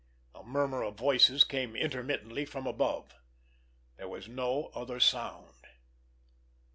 A murmur of voices came intermittently from above. There was no other sound.